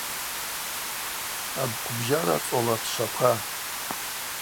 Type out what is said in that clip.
Абхъвбжьара цӏола тшваква.